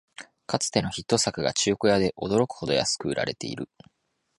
かつてのヒット作が中古屋で驚くほど安く売られてる